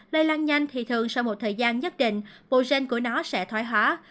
lây lan nhanh thì thường sau một thời gian nhất định bộ gen của nó sẽ thoái hóa